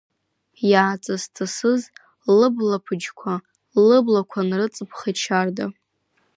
Иааҵыс-ҵысыз лыблаԥыџьқәа, лыблақәа нрыҵԥхеит Шьарда.